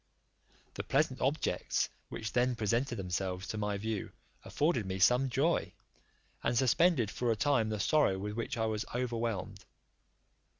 The pleasant objects which then presented themselves to my view afforded me some joy, and suspended for a time the sorrow with which I was overwhelmed.